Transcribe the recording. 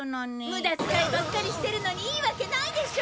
無駄づかいばっかりしてるのにいいわけないでしょ！